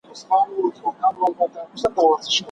هغوی خپل وخت بېځایه نه ضایع کوي.